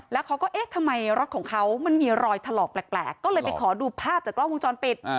แล้วเขาก็เอ๊ะทำไมรถของเขามันมีรอยถลอกแปลกก็เลยไปขอดูภาพจากกล้องวงจรปิด